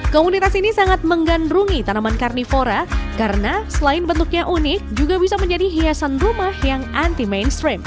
komunitas ini sangat menggandrungi tanaman karnivora karena selain bentuknya unik juga bisa menjadi hiasan rumah yang anti mainstream